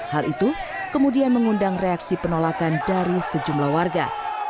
hal itu kemudian mengundang reaksi penolakan dari sejumlah warga